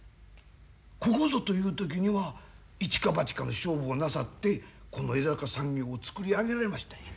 ここぞという時には一か八かの勝負をなさってこの江坂産業を作り上げられましたんや。